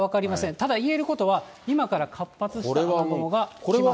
ただ言えることは、今から活発な雨雲が来ます。